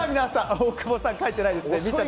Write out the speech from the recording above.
大久保さん、書いてないですね。